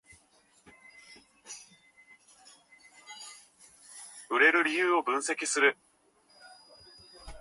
売れる理由を分析する